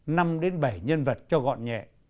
năm bảy nhân vật cho gọn nhẹ